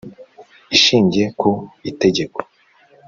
Ishingiye ku itegeko